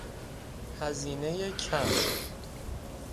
هزینهی کم